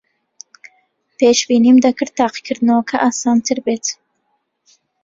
پێشبینیم دەکرد تاقیکردنەوەکە ئاسانتر بێت.